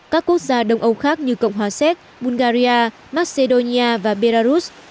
các quốc gia đông âu khác như cộng hòa xét bulgaria macedonia và belarus